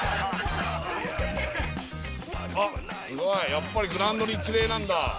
やっぱりグラウンドに一礼なんだ。